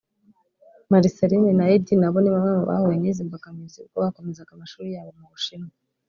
Marcellin na Eddy nabo ni bamwe mu bahuye n’izi mbogamizi ubwo bakomezaga amashuli yabo mu Bushinwa